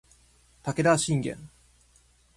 武田信玄